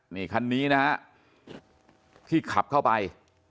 นี่คันนี้นะฮะที่ขับเข้าไป